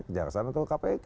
ke jakarta atau kpk